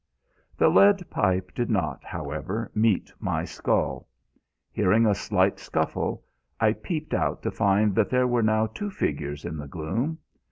The lead pipe did not, however, meet my skull. Hearing a slight scuffle, I peeped out to find that there were now two figures in the gloom.